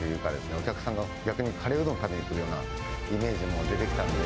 お客さんが逆にカレーうどんを食べに来るようなイメージも出てきたので。